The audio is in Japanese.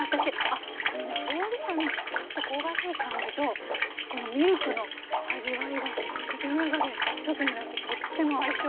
あっこのねほうじ茶のちょっと香ばしい感じとこのミルクの味わいが口の中で一つになってとっても相性がいいです。